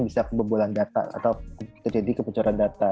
bisa kebobolan data atau terjadi kebocoran data